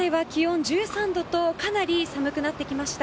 現在は気温１３度とかなり寒くなってきました。